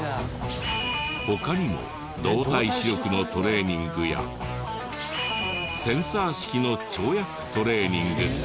他にも動体視力のトレーニングやセンサー式の跳躍トレーニング。